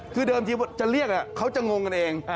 คือเดิมทีจะเรียกเขาจะงงกันเอง